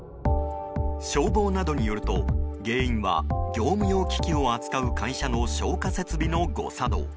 消防などによると原因は、業務用機器を扱う会社の消火設備の誤作動。